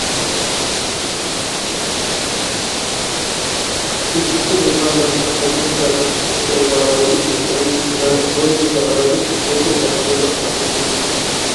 بىزدىكى مېھماندارچىلىق قەدىمدىن تارتىپ پىسخىكىدا باراۋەرلىكنى، روھىمىزدا ئازادىلىكنى، كەيپىياتتا قىزغىنلىقنى ئاساس قىلىپ كەلگەن.